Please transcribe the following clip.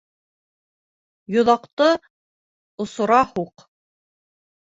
Йоҙаҡты осора һуҡ!